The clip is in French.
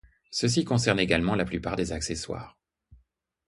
Ceci concerne également la plupart des accessoires.